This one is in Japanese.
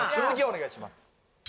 続きお願いします